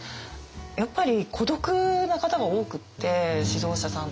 やっぱり孤独な方が多くって指導者さんとかリーダーって。